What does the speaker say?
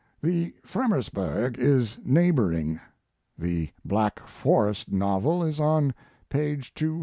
The "Fremersberg" is neighboring. The Black Forest novel is on page 211.